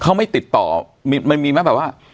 เขาไม่ติดต่อมันมีไหมแบบว่า